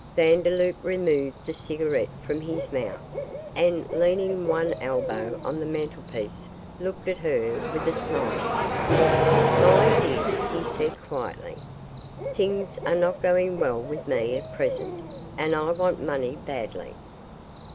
Vandeloup removed the cigarette from his mouth, and, leaning one elbow on the mantelpiece, looked at her with a smile. 'My dear,' he said, quietly, 'things are not going well with me at present, and I want money badly.